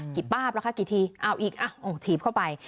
กิบบ้าบแล้วค่ะกี่ทีเอาอีกเอาถีบเข้าไป